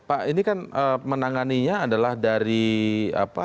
pak ini kan menanganinya adalah dari apa